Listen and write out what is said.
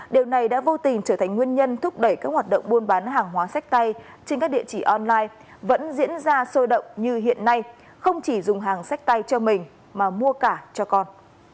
điều này đã vô tình trở thành nguyên nhân thúc đẩy các hoạt động buôn bán hàng hóa sách tay trên các địa chỉ online vẫn diễn ra sôi động như hiện nay không chỉ dùng hàng sách tay cho mình mà mua cả cho con